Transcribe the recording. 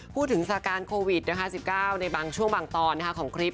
พูดถึงสถานการณ์โควิด๑๙ในบางช่วงบางตอนของคลิป